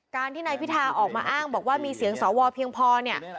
การที่นายพิธาออกมาอ้างบอกว่ามีเสียงสวเพียงพอเนี่ย